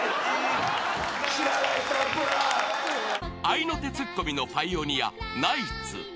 ［合いの手ツッコミのパイオニアナイツ］